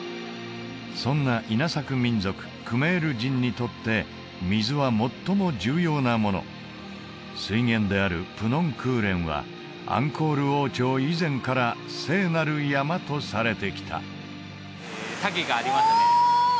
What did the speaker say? そんな稲作民族クメール人にとって水は最も重要なもの水源であるプノン・クーレンはアンコール王朝以前から聖なる山とされてきた滝がありますねお！